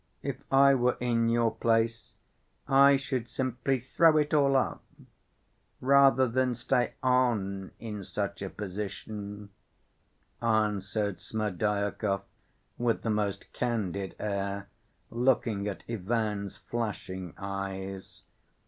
If I were in your place I should simply throw it all up ... rather than stay on in such a position," answered Smerdyakov, with the most candid air looking at Ivan's flashing eyes.